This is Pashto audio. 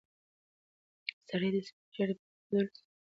سړی د سپینې ږیرې په درلودلو سره باید ظالم نه وای.